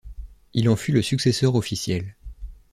Il en fut le successeur officiel.